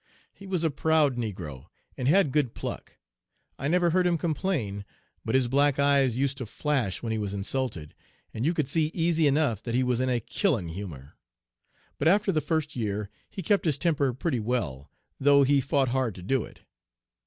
He was a proud negro, and had good pluck. I never heard him complain, but his black eyes used to flash when he was insulted, and you could see easy enough that he was in a killin' humor. But after the first year he kept his temper pretty well, though he fought hard to do it.'